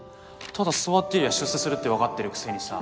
ただ座ってりゃ出世するって分かってるくせにさ